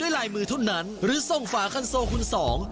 ก็หาวเขาเอาไว้ใช้กับง่วง